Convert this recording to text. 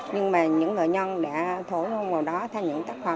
nhưng mà những người nhân đã thổi hôn vào đó theo những tác phẩm tiêu biểu